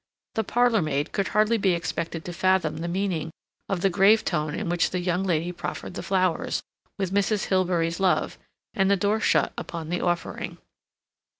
The parlor maid could hardly be expected to fathom the meaning of the grave tone in which the young lady proffered the flowers, with Mrs. Hilbery's love; and the door shut upon the offering.